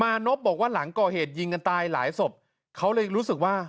นพบอกว่าหลังก่อเหตุยิงกันตายหลายศพเขาเลยรู้สึกว่า